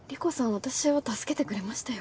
私を助けてくれましたよ。